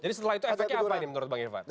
jadi setelah itu efeknya apa ini menurut bang irfan